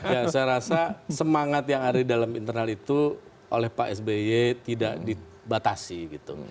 ya saya rasa semangat yang ada di dalam internal itu oleh pak sby tidak dibatasi gitu